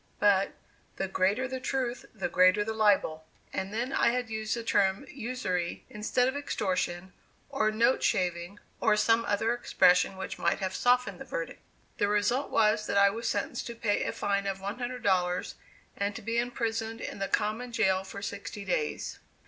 But "the greater the truth, the greater the libel," and then I had used the term "usury," instead of extortion, or note shaving, or some other expression which might have softened the verdict. The result was that I was sentenced to pay a fine of one hundred dollars and to be imprisoned in the common jail for sixty days.